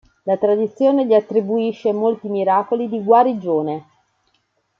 La tradizione gli attribuisce molti miracoli di guarigione.